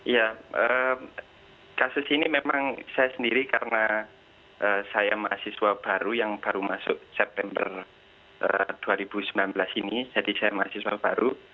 ya kasus ini memang saya sendiri karena saya mahasiswa baru yang baru masuk september dua ribu sembilan belas ini jadi saya mahasiswa baru